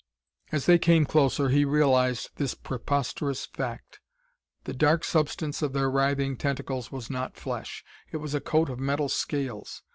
As they came closer, he realized this preposterous fact. The dark substance of their writhing tentacles was not flesh: it was a coat of metal scales.